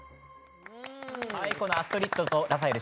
「アストリッドとラファエル」